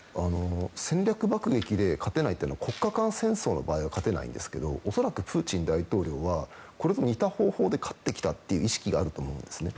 戦略爆撃で勝てないのは国家間戦争の場合は勝てないんですけど恐らくプーチン大統領はこれと似た方法で勝ってきたという意識があると思うんですね。